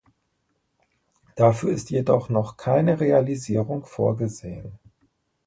Dafür ist jedoch noch keine Realisierung vorgesehen.